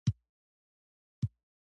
د توکو تولید اوس یوازې یو ساعت کار غواړي